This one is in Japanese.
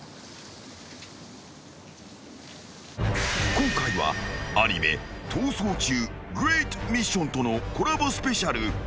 ［今回はアニメ『逃走中グレートミッション』とのコラボスペシャル］